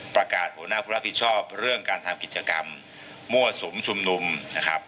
หัวหน้าผู้รับผิดชอบเรื่องการทำกิจกรรมมั่วสุมชุมนุมนะครับ